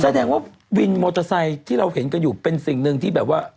แสดงว่าวินมอเตอร์ไซค์ที่เราเห็นกันอยู่เป็นสิ่งหนึ่งที่แบบว่า